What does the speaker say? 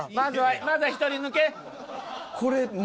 まずは１人抜け？